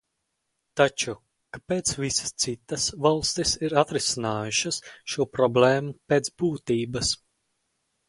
Taču, kāpēc visas citas valstis ir atrisinājušas šo problēmu pēc būtības?